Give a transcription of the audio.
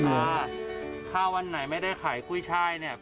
อ่าถ้าวันไหนไม่ได้ขายกุ้ยช่ายเนี่ย